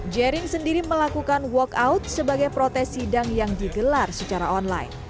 jering sendiri melakukan walkout sebagai protes sidang yang digelar secara online